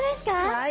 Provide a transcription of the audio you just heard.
はい。